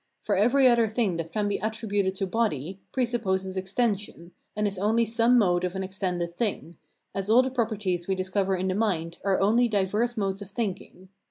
For every other thing that can be attributed to body, presupposes extension, and is only some mode of an extended thing; as all the properties we discover in the mind are only diverse modes of thinking.